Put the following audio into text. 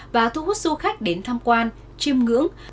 và thu hút du khách đến tham quan chiêm ngưỡng